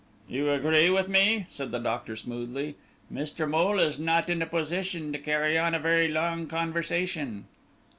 "You agree with me," said the doctor smoothly, "Mr. Moole is not in a position to carry on a very long conversation."